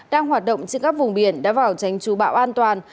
đang hoạt động trên các vùng biển đã vào tránh chú bão an toàn